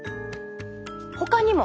ほかにも！